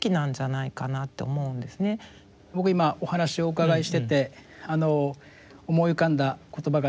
僕は今お話をお伺いしてて思い浮かんだ言葉があるんですけど。